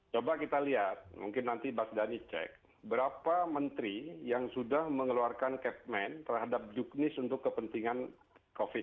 coba kita lihat mungkin nanti mas dhani cek berapa menteri yang sudah mengeluarkan capman terhadap juknis untuk kepentingan covid sembilan belas